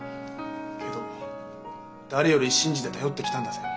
けど誰より信じて頼ってきたんだぜ。